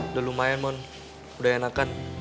udah lumayan mah udah enakan